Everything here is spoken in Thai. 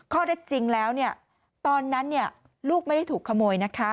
ข้อเด็ดจริงแล้วตอนนั้นลูกไม่ได้ถูกขโมย